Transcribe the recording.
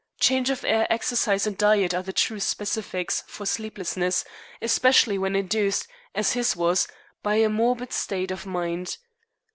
Change of air, exercise, and diet are the true specifics for sleeplessness, especially when induced, as his was, by a morbid state of mind."